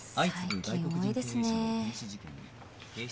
最近多いですね